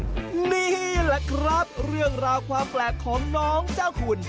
นี่แหละครับเรื่องราวความแปลกของน้องเจ้าคุณ